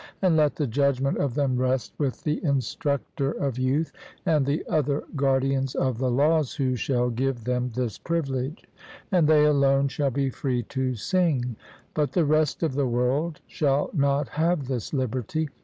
And let the judgment of them rest with the instructor of youth and the other guardians of the laws, who shall give them this privilege, and they alone shall be free to sing; but the rest of the world shall not have this liberty.